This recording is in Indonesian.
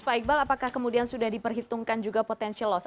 pak iqbal apakah kemudian sudah diperhitungkan juga potential loss